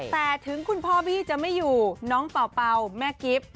แต่ถึงคุณพ่อบี้จะไม่อยู่น้องเป่าแม่กิฟต์